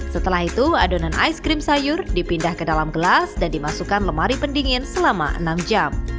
setelah itu adonan ais krim sayur dipindah ke dalam gelas dan dimasukkan lemari pendingin selama enam jam